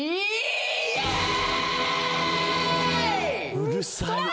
うるさい。